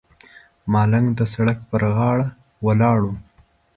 ملنګ د سړک پر غاړه ولاړ و.